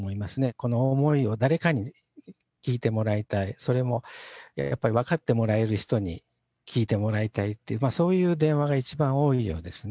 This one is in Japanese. この思いを誰かに聞いてもらいたい、それもやっぱり分かってもらえる人に聞いてもらいたいって、そういう電話が一番多いようですね。